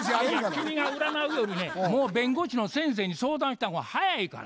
君が占うよりねもう弁護士の先生に相談した方が早いから。